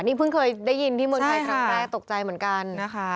นี่เพิ่งเคยได้ยินที่เมืองไทยครั้งแรกตกใจเหมือนกันนะคะ